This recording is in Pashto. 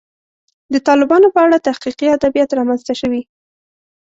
د طالبانو په اړه تحقیقي ادبیات رامنځته شوي.